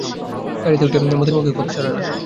গাড়িতে উঠিয়া মতির মুখে কথা সরে না।